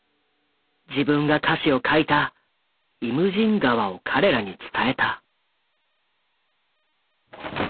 自分が歌詞を書いた「イムジン河」を彼らに伝えた。